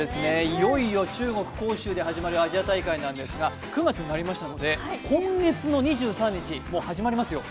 いよいよ中国・広州で始まるアジア大会なんですが９月になりましたので今月の２３日、もう始まりますよ。